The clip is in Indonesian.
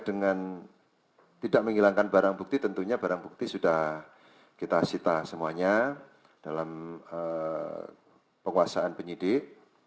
dengan tidak menghilangkan barang bukti tentunya barang bukti sudah kita sita semuanya dalam penguasaan penyidik